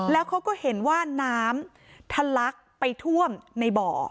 แล้วเขาก็เห็นว่าน้ำทะลักไปท่วมในบ่อ